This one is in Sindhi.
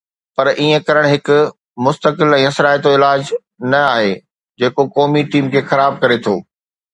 پر ائين ڪرڻ هڪ مستقل ۽ اثرائتو علاج نه آهي جيڪو قومي ٽيم کي خراب ڪري ٿو